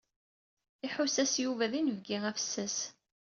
Iḥuss-as Yuba d inebgi afessas.